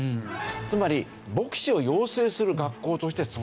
つまり牧師を養成する学校として作られたんです。